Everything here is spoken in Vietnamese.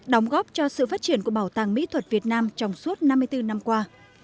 đóng góp cho sự phát triển của bảo tàng mỹ thuật việt nam trong suốt năm mươi bốn năm qua